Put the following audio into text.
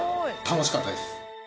楽しかったです。